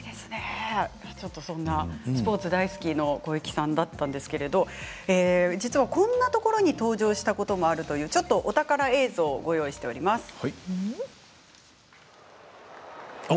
スポーツ大好きの小雪さんだったんですけれど実はこんなところに登場したこともあるというお宝映像をご用意してあります。